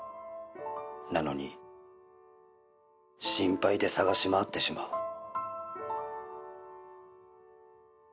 「なのに心配で捜し回ってしまう」